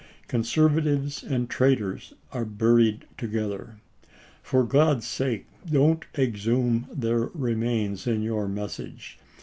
... Conservatives and traitors are buried together. For G od's sake don't exhume their remains in your message.